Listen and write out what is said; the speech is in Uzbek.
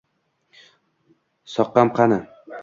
Soqqam qani?